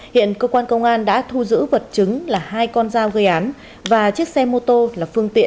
hiện cơ quan công an đã thu giữ vật chứng là hai con dao gây án và chiếc xe mô tô là phương tiện